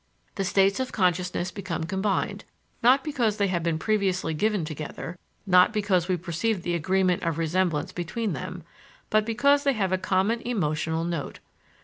The states of consciousness become combined, not because they have been previously given together, not because we perceive the agreement of resemblance between them, but because they have a common emotional note.